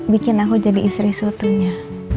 bikin aku jadi istri sutunya